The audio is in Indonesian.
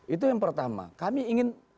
itu yang pertama kami ingin